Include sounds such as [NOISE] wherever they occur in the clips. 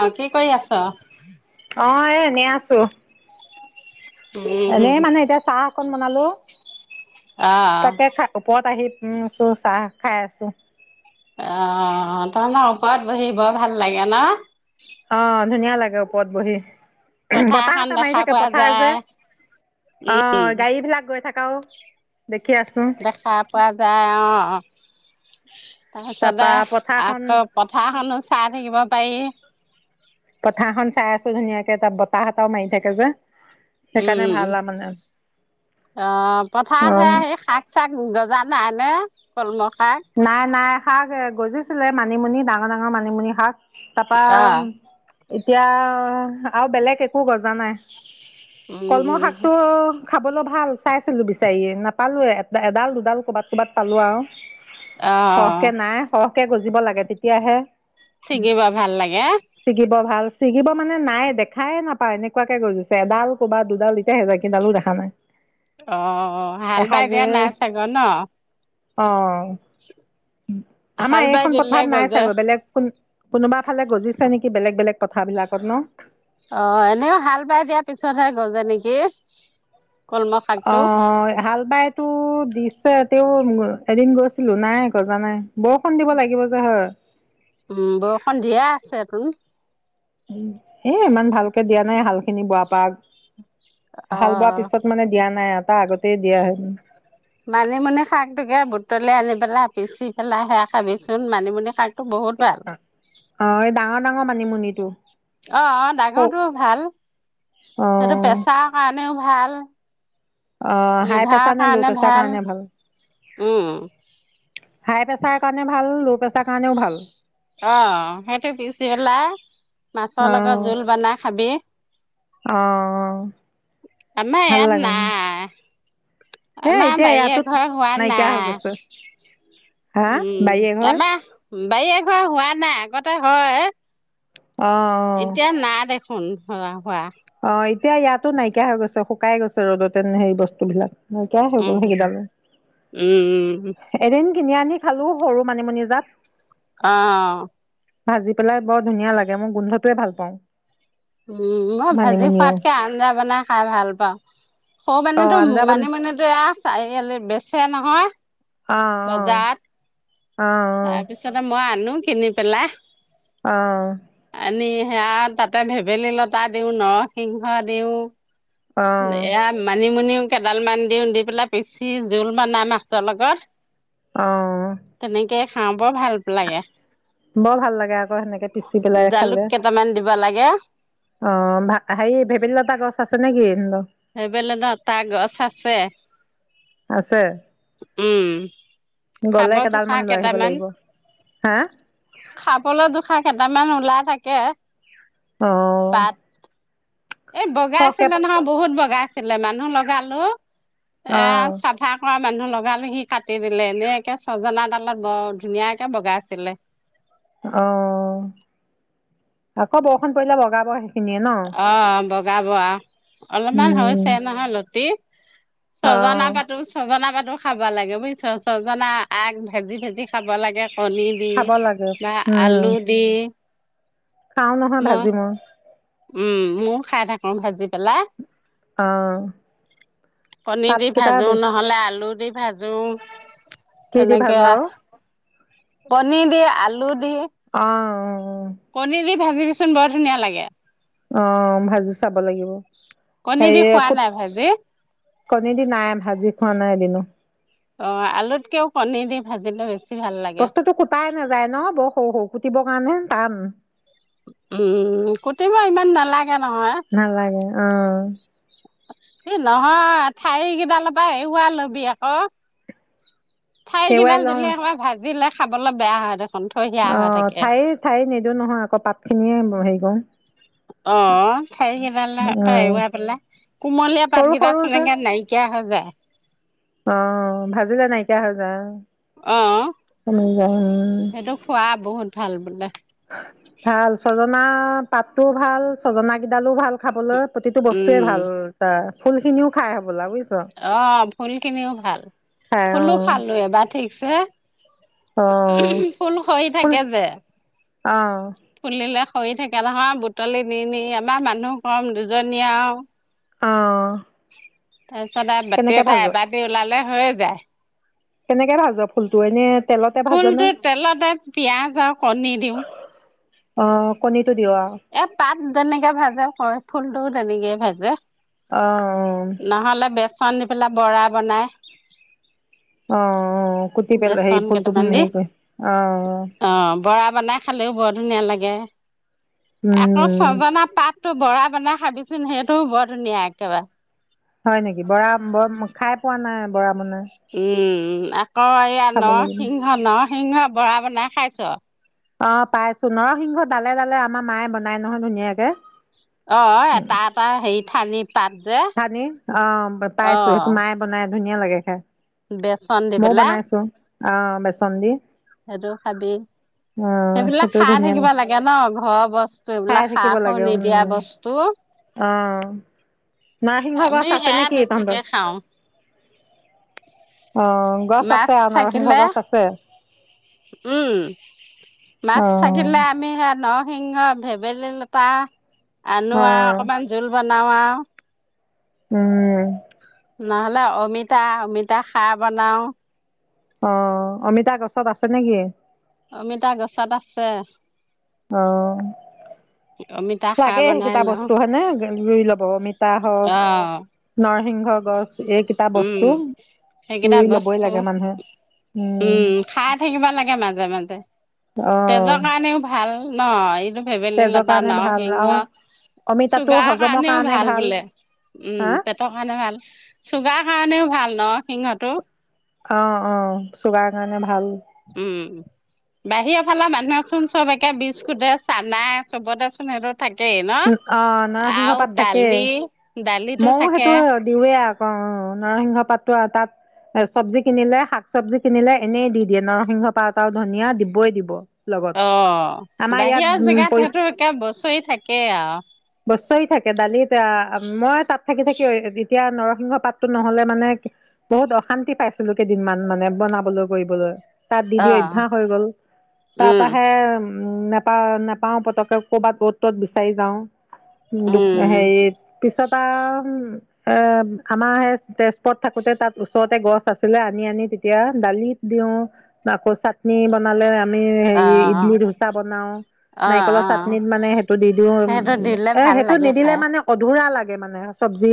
অ কি কৰি আছ ছো উম এনেই মানে এতিয়া চাহ অকন বনালো অ তাকে ওপৰত আহি উম চু চাহ খাই আছো অ তাৰ ন ওপৰত বহি বৰ ভাল লাগে ন অ ধুনীয়া লাগে ওপৰত বহি পথাৰ বতাহ এটা এখন মাৰি দেখা থাকে পোৱা পথাৰ যে অ যায় উম গাড়ী বিলাক গৈ থাকাও দেখি আছো দেখা পোৱা যায় আহ তাৰপিছতে তাৰপা পথাৰখন আকৌ পথাৰখনো চাই থাকিব পায়ী পথাৰখন চাই আছো ধুনীয়াকে তাত বতাহ এটাও মাৰি থাকে যে সেইকাৰণে উম উ ভাল আৰু মানে অ পথাৰত অ হে সেই শাক চাক গজা নাই ন এই কলমৌ শাক নাই নাই শাক এ গজিছিলে মানিমুনি ডাঙৰ ডাঙৰ মানিমুনি শাক তাৰপা অ এতিয়া আৰু বেলেগ একো গজা নাই কলমৌ উম শাকটো খাবলৈ ভাল চাইছিলো বিচাৰি নাপালোয়ে এডাল দুডাল কৰ'বাত ক'ৰবাত পালো আৰু অ সৰহকে নাই সৰহকে গজি গজিব লাগে তেতিয়াহে ছিগিব ভাল লাগে ছিগিব ভাল ছিগিব মানে নাই দেখাই নাপায় এনেকুৱাকে গজিছে এডাল ক'ৰবাত দুডাল এতিয়া বাকী কিডালো দেখা নাই অ হাল বাই এসাঁজে দিয়া নাই চাগে অ হাল আমাৰ বাই এইখন দিলে পথাৰত নাই গজে চাগৈ বেলেগ এখন কোনোবা ফালে গজিছে নেকি বেলেগ বেলেগ পথাৰবিলাকত ন অ এনেও হাল বাই দিয়া পিছতহে গজে নেকি কলমৌ অ শাকটো হাল বাইতো দিছে তেওঁ এদিন গৈছিলো নাই গজা নাই বৰষুণ দিব লাগিব যে হয় উম বৰষুণ দিয়ে আছে তোন উ এ ইমান ভালকে দিয়া মানে হাল খিনি বোৱা পৰা অ হাল বোৱা পিছত মানে দিয়া নাই নাই তাৰ আগতেই দিয়া হেন মানিমুনি শাকতোকে বুটলি আনি পেলাই পিচি পেলাই সেয়া খাবিচোন মানিমুনি শাক অ ডাঙৰ ডাঙৰ মানি মানিমুনি টো অ অ ডাঙৰটো ভাল সেইটো পেছাৰ কাৰণেও ভাল অ হাই লিভাৰ প্ৰেছাৰ নে ল' কাৰণে প্ৰেছাৰ ভাল কাৰণে উম হাই প্ৰেছাৰ কাৰণে ভাল ল' প্ৰেছাৰ কাৰণেও ভাল অ সেইটো পিছি পেলাই মাছৰ অ লগত জোল বনাাই খাবি অ আমাৰ ইয়াত নাই হে আমাৰ এতিয়া বাৰী ইয়াতো এঘৰে হোৱা নাইকিয়া হৈ নাই গৈছে হা উম বাৰে ঘৰ আমাৰ বাৰী এ ঘৰ হোৱা নাই আগতে হয় অ এতিয়া অ না দেখ োন হ হোৱা অ এতিয়া ইয়াতো নাইকিয়া হৈ গৈছে শুকাই গৈছে ৰ'দতেনে সে বস্তু বিলাক ন কিয় হৈই গল উম সেই কিডাল উম এদিন কিনি আনি খালো সৰু মানিমুনি জাত অ ভাজি পেলাই বৰ ধুনীয়া লাগে মোৰ গোন্ধটোৱে ভাল পাওঁ মই ভোজি মানিমুনিও খোৱাতকৈ আঞ্জা বনাই খাই ভাল পাওঁ স মানে মনে অঁ তো আঞ্জা বন মানিমুনিতো এয়া চাৰিআলি বেছি ছে নহয় অঁ অ তাৰ পিছতে মই আনো কিনি পেলা আহ নি সেয়া তাতে ভেবেলী লতা দিওঁ নৰসিংহ দিওঁ অঁ অঁ এয়া মানিমুনিও কেডাল মান দিওঁ দি পেলাই পিচি জোল বনাই মাছৰ লগত অঁ তেনেকে খাওঁ বৰ ভাল লাগে বৰ ভাল লাগে আকৌ সেনেকে পিচি পেলাই জালুক খালে কেইটামান দিব লাগে অ ভ হেৰি ভেবেলী লতা গছ আছে নে? কি তহঁতৰ ভেবেলী লতা গছ আছে। আছে উম খাব গ'লে জোশাহ কেইডালমান লৈ আহিব কেইটামান লাগিব হা খাবলৈ জোশাহ কেইটামান ইমান ওলাই থাকে আহ পাত এই বগা আছিলে নহয় বহুত বগা লগাইছিলে মানুহ লগালো এয়া অঁ চাফা কৰা মানুহ লগালো সি কাটি দিলে এনেকে ছজনাডালত বৰ ধুনীয়াকে বগাইছিলে অ আকৌ বৰষুণ পৰিলে বগাবই অ বগাব অলপমান হৈছে নহয় লতি ছজনা অঁ পাত ছজনা পাটো খাব লাগে বুজিছা চজনা আগ ভেজি ভেজি খাব লাগে কণি দি খাব লাগে বা আলু দি খাও নহয় ভাজি মই উম ময় খাই থাকো ভাজি পেলাই অঁ কণী দি পাতকেইটা ভাজো বেছি নহ'লে আলু দি ভাজো দি তেনেকে ভাজো পনীৰ দি আলুত অ' দি ভাজিবিচোন বৰ ধুনীয়া লাগে। অ' ভাজো চাব লাগিব। কণী দি হেৰিয়ে খোৱা নাই ভাজি কুত কণী দি নাই, ভাজি খোৱা নাই এদিনো। অ' আলুতকেও কণী দি ভাজিলে বেছি ভাল লাগে বস্তুটো কুটাই নাযায় ন বৰ সৰু-সৰু কুটিবৰ কাৰণে টান উম কুটিব ইমান নালাগে। হে নহয় উম এ নহয় ঠাই কিডালৰ পৰা এৰোৱা ল'বি আকৌ। সেৱাই ঠাইকিডাল লওঁ দিলে এইসোপা ভাজিলেক খাবলৈ বেয়া হয়তো অ' ঠায়ী ঠায়ী নিদো নহয় আকৌ পাতখিনিয়ে হেৰি [UNINTELLIGIBLE] অ' ঠাৰিকেইডালৰ অ পা এৱাই পেলাই, কুমলীয়া সৰু পাতকেইটা সৰু যে চনেকে নাইকিয়া হৈ যায় [UNINTELLIGIBLE] অ' ভাজি যে নাইকিয়া হৈ যায় [UNINTELLIGIBLE] অ', কমি যায় উম সেইটো খোৱা বহুত ভাল বোলে ভাল ছজনা না পাতটোও ভাল ছজনা কেইডালো ভাল খাবলৈ প্ৰতিটো বস্তুৱে উম ভাল তাৰ ফুলখিনিও খাই হ'বলা বুইছ অ' ফুলখিনিও ভাল, খাই ফুলো খালো এবাৰ ঠিকছে ফুল সৰি অ' থাকে যে অ'। ফুলিলে সৰি থাকে নহয় বুটলি নি নি আমাৰ মানুহ কম, দুজনী আৰু অ'। [UNINTELLIGIBLE] তাৰ পিছত আৰু বাতি এটা এবাটি ওলালে হৈয় কেনেকৈ ভাজ যায়। ফুলটো এনেই তেলতে ভাজনে ফুলটো তেলতে পিয়াজ আৰু কণী দিওঁ। কণী এ পাত যেনেকে ভাজে ক ফুল টো তেনেকেই ভাজে অ নহ'লে বেচন দি পেলাই বৰা বনাই অ বেচন কেইটামান দি অঁ অ বৰা বনাই খালেও বৰ ধুনীয়া লাগে আকৌ ছজনা পাত টো বৰা বনাই খাবিচোন সেইটোও বৰ ধুনীয়া একেবাৰে হয় নেকি বৰা খাই পোৱা নাই বৰা বনাই উম উম আকৌ এয়া খাব লাগিব নৰসিংহ নৰ সিংহ বৰা বনাই খাইছ অ পাইছো নৰসিংহ ডালে ডালে আমাৰ মায়ে বনাই নহয় ধুনীয়াকে অ এটা এটা হেৰি থালি থানি অ অ পাইছো সেটো মায়ে বনাই ধুনীয়া ধুনীয়া লাগে খাই বেচন দি মইও বেলা বনাইছো অ বেচ সেইটো খাবি অ সেইবিলাক সেইটো খাই ধুনীয়া থাকিব লাগে ন ঘৰৰ বস্তু খাই এইবিলাক থাকিব সাৰো লাগে উম নিদিয়া বস্তু অ নৰসিংহ গছ আমি আছে সেয়া নেকি তহতৰ বেছিকে খাওঁ আহ গছ মাছ আছে আৰু নৰসিংহ থাকিলে গছ আছে উম। মাছ অ থাকিলে আমি সেয়া নৰ সিংহ ভেবেলী লতা অ আনো আৰু অকনমান জোল ব বনাও আও। উম, নহলে অমিতা-অমিতা খাৰ বনাও। অ' অমিত তা গছত আছে নেকি? অমিতা গছত আছে অ' অমিতা খাৰ লাগে বনাই সেইকেইটা লওঁ। বস্তু হয়নে ৰুই লব অমিতা হওক অ' নৰসিংহ, গছ, এইকেইটা বস্তু উম' সেইকেইটা ৰুই লবই বস্তু লাগে মানুহে উম' খাই থাকিব লাগে মাজে-মাজে অ তেজৰ কাৰণেও ভাল। ন এইটো ভেবেলী তেজৰ লতা কাৰণে ভাল নৰসিংহ আৰু অমিতাটো চুগাৰৰ হজমৰ কাৰণেও কাৰণে ভাল বোলে উম' হা পেটৰ কাৰণেও ভাল। চুগাৰ কাৰণেও ভাল ন সিংহটো। অ-অ চুগাৰ কাৰণে ভাল। উম, বাহিৰৰ ফালৰ মানুহেক চোন চবকে বিস্কুট চানাই চবতেচোন সেটোত অ' নৰসিংহ পাত থাকে দালি দালিতো মইো থাকে সেইটো দিওঁৱেই, অ 'নৰসিংহ পাততো আৰু তাত এ চব্জি কিনিলে শাক চব্জি কিনিলে এনেই দি দিয়ে নৰসিংহ পাত আৰু ধনিয়া দিবই দিব। লগত অ' আমাৰ ইয়াত বাহিৰা উম জেগাত পৰি সেইটো একে বছৰি থাকেই আৰু। থাকে দালি, এতিয়া মই তাত থাকি-থাকি, এতিয়া নৰসিংহ পাতটো নহলে মানে বহুত অশান্তি পাইছিলো কেইদিনমান মানে বনাবলৈ কৰিবলৈ। তাত দি-দি অ অভ্যাস হৈ গল তাৰ উম পৰাহে, উম' নাপা-নাপাও পতককে ক'বাত অ'ত-ত'ত চাই যাওঁ, দু হে উম পিছত ত এ আমাৰ সেই তেজপত থাকোতে তাত ওচৰতে গছ আছিলে আনি-আনি তেতিয়া দালিত দিও আকৌ চাটনি বনালে, আমি অ হেৰি ইডলি ধোচা বনাও, অ নাৰিকলৰ অ চাটনিত মানে সেটো দি দিওঁ উ সেইটো দিলে এ ভাল সেইটো লাগে নিদিলে খাই মানে অধুৰা লাগে। মানে চব্জি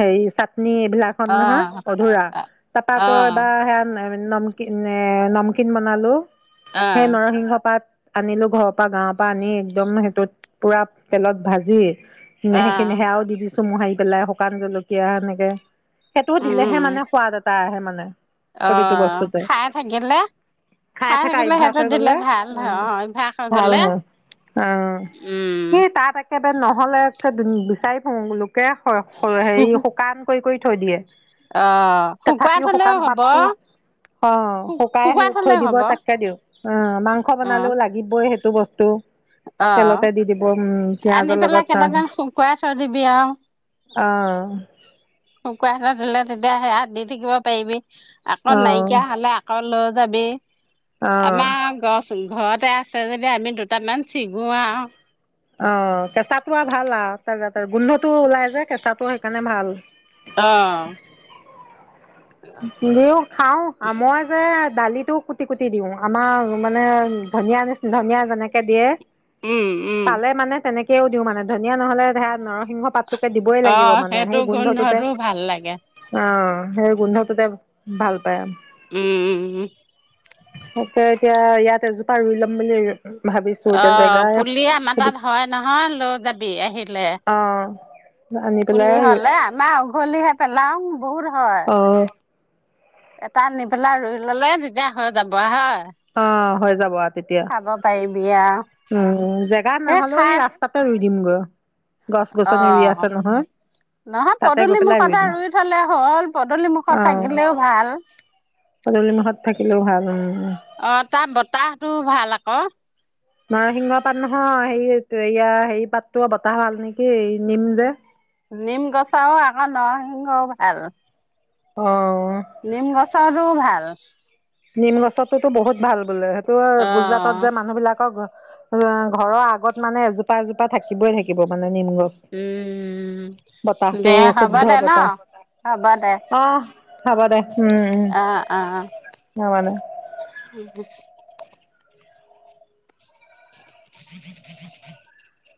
হেৰি নি এইবিলাক হত অ নহয়, অধুৰা অ তাৰপ কৌ বা অ সে নমকিন নামকিন বনালো। অ সেই নৰসিংহ পাত আনিলো ঘৰৰ পৰা গাঁৱৰ পৰা আনি, একদম তটোত পুৰা তেলত ভাজি নেহেকি নেহে আৰু দি চুমু আহাৰি পেলাই শুকান জলকীয়া সেনেকে সেইটো উম দিলেহে মানে সোৱাদ এটা আহে মানে উ [INAUDIBLE] অ', খাই থাকিলে -খাই থকা থাকিলে অভ্যাস সেইটো হৈ দিলে গ'লে ভাল উম হয় অভ্যাস হৈ ভাল গলে হয় অ সি উম তাত একেবাৰে নহলে চাই বিচাৰি ফুৰোঁ হে -হে হেৰি শুকান কৰি- কৰি থৈ দিয়ে অ', শুকুৱাই তথাপিও থলেও শুকান হ'ব, পাতটো অ', শু-শুকুৱাই শুকাই থৈ থলেও দিব হ'ব। তাতকে দিওঁ অ মাংস অ', বনালেও লাগিবই সেইটো টো বস্তু অ', তেলতে দি দিব উ', আনি পেলাই কেনেকৈ শুকুৱাই থৈ দিবি আৰু অ', শুকুৱাই থ দিলে তেতিয়া সেয়া দি থাকিব পাৰিবি। আকৌ অ', নাইকিয়া হলে আকৌ লগত যাবি অ', আমা গছ ঘৰতে আছে যদি আমি দুটামান ছিগো আৰু অ', কেঁচাটো আৰু ভাল আৰু তাৰ গোন্ধটো ওলাই যে কেঁচাটো সেইকাৰণে ভাল। অ', নিও খাও মই যে দালিতো কুটি- কুটি দিও আমাৰ মানে ধনিয় নিচ ধনিয়া যেনেকে দিয়ে উম, উম, পালে মানে তেনেকে কেয়াও দিওঁ মানে ধনীয়া নহ'লে ধে নৰ সিংহ পাতটোকে দিবই লাগিব অ', মানে সেইটো সেই গোন্ধটোতে গোন্ধটো ভাল লাগে। অ', হে গোন্ধ তে ভাল পায়। উম ', - উম', - উম', তয়া এতিয়া ইয়াত এজোপা ৰুই লম বুলি ভাবিছো এতিয়া অ', পুলি আমাৰ জেগাই তাত হয় নহয় লৈ যাবি আহিলে। অ', আনি পুলি পেলাই হ'লে আমাৰ উঘলিহে পেলাও। বহুত হয় অ' এটা আনি পেলাই ৰুই ল'লে তেতিয়া হৈ যাব হয়। অ' হৈ যাব আৰু তেতিয়া খাব পাৰিবি আৰু উম উম জেগা সেই নহলেও খাই ই ৰাস্তাতে ৰুই দিমগৈ। গছ গছনি ৰুই অ' আছে নহয় নহয় তাতে গৈ পদূলি পেলাই মুখত এ দিম ৰুই থলে হ'ল পদূলি মুখত অ' থাকিলেও ভাল। কিনো ভাল হ'ল অ' তাৰ বতাহটো ভাল আক। নৰসিংহ পাত নহয় হে এয়া হেৰি পাতটো বতাহ ভাল নেকি নিম যে? নিম গছও আকৌ নৰসিংহও ভাল। অ' নিম গছৰটো ভাল। নিম গছতোতো বহুত ভাল বোলে। টো অ গুজৰাটত যে মানুহ বিলাকক। অ' ঘৰৰ আগত মানে এজোপা এজোপা থাকিবই থাকিব মানে। নিম গছ উম বতাহতো দে হ'ব শুদ্ধ দে ন বতাহ হ'ব দে অহ। হ'ব দে। উম উম অ- অ [UNINTELLIGIBLE] উম, [INAUDIBLE]